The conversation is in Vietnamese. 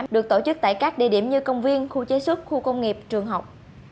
được tổ chức tại các địa điểm như công viên khu chế xuất khu công nghiệp trường học